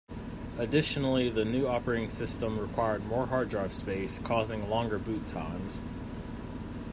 Additionally the new operating system required more hard drive space, causing longer boot times.